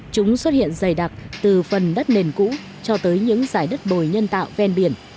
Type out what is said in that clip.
chúng xuất hiện dày đặc từ phần đất nền cũ cho tới những giải đất bồi nhân tạo ven biển